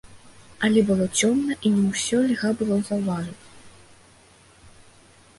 Але было цёмна, і не ўсё льга было заўважыць.